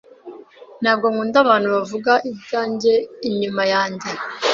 Ntabwo nkunda abantu bavuga ibyanjye inyuma yanjye.